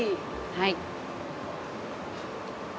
はい。